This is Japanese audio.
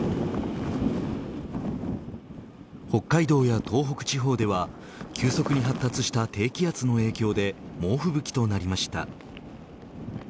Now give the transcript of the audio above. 北海道や東北地方では急速に発達した低気圧の影響で猛吹雪となりました。